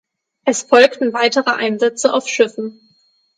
Es folgten weitere Einsätze auf Schiffen.